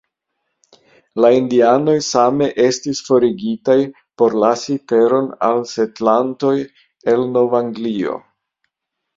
La indianoj same estis forigitaj por lasi teron al setlantoj el Nov-Anglio.